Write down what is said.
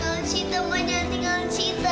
maaf mbak jangan tinggalin sita